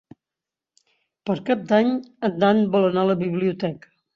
Per Cap d'Any en Dan vol anar a la biblioteca.